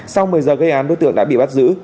sau một mươi giờ gây án đối tượng đã bị bắt giữ